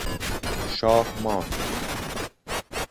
شاه ماند